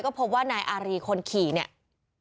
พบว่านายอารีคนขี่เนี่ย